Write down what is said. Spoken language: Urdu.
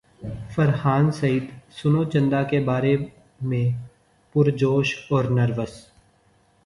فرحان سعید سنو چندا کے بارے میں پرجوش اور نروس